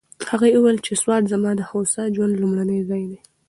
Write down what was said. هغې وویل چې سوات زما د هوسا ژوند لومړنی ځای دی.